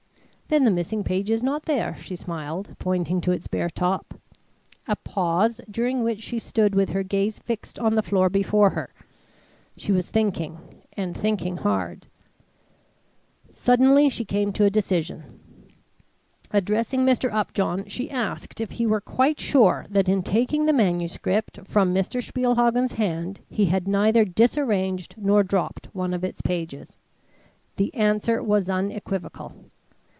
"Then the missing page is not there," she smiled, pointing to its bare top. A pause, during which she stood with her gaze fixed on the floor before her. She was thinking and thinking hard. Suddenly she came to a decision. Addressing Mr. Upjohn she asked if he were quite sure that in taking the manuscript from Mr. Spielhagen's hand he had neither disarranged nor dropped one of its pages. The answer was unequivocal.